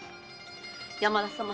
山田様。